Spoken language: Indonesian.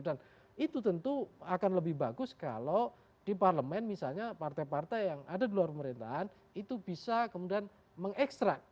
dan itu tentu akan lebih bagus kalau di parlemen misalnya partai partai yang ada di luar pemerintahan itu bisa kemudian mengekstrak